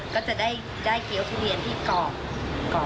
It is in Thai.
ก็จะได้เกี้ยวทุเรียนที่กรอบ